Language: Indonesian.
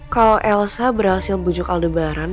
kalau elsa berhasil bujuk aldebaran